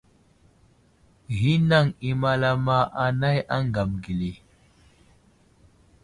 Ghinaŋ i malama anay aŋgam geli.